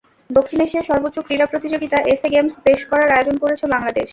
দক্ষিণ এশিয়ার সর্বোচ্চ ক্রীড়া প্রতিযোগিতা এসএ গেমস বেশ কবার আয়োজন করেছে বাংলাদেশ।